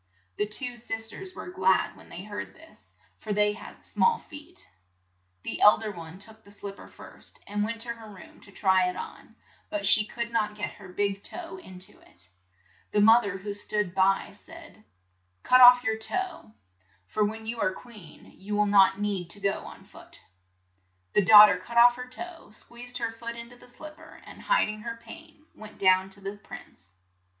The two sis ters were glad when they heard this, for they had small feet. The eld er one took the slip per first, and went to her room to try it on, but she could not get her big toe in to it. The moth er who stood by, said, "Cut your toe off, for when you are queen you need not go on foot." The daugh ter cut off her toe, squeezed her foot in to the slip per, and hid ing her pain, went down to the prince.